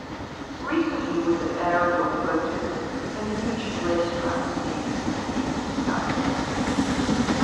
Recently with aerial photos, a huge racetrack stadium has been discovered.